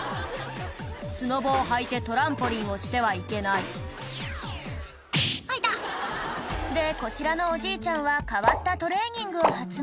スノボをはいてトランポリンをしてはいけない「あ痛っ」でこちらのおじいちゃんは変わったトレーニングを発明